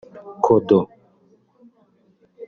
Kodo